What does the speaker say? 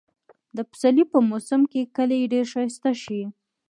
د پسرلي په موسم کې کلى ډېر ښايسته شي.